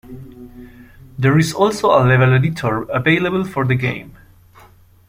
There is also a level editor available for the game.